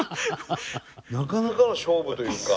なかなかの勝負というか。